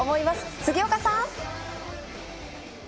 杉岡さん。